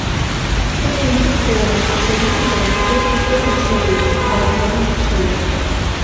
Чыным вик руа, шоям гын кӧргыж дене шижеш, да туранак шелеш.